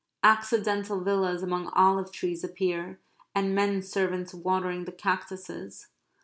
Accidental villas among olive trees appear; and men servants watering the cactuses.